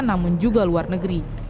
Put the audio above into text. namun juga luar negeri